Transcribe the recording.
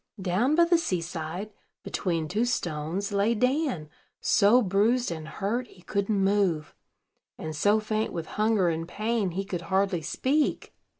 Down by the sea side, between two stones, lay Dan, so bruised and hurt he couldn't move, and so faint with hunger and pain he could hardly speak.